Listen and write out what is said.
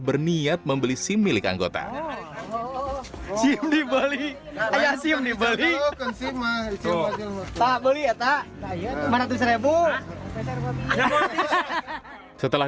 berniat membeli sim milik anggota sim di bali ada sim di bali tak boleh tak mana tuh srebu setelah